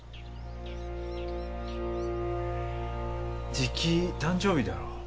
じき誕生日だろう？